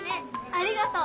ありがとう。